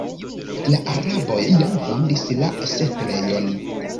La araboj jam fondis la setlejon.